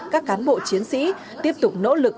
các cán bộ chiến sĩ tiếp tục nỗ lực